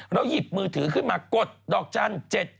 แล้วยิบมือถือขึ้นมากดดอกจาน๗๙๗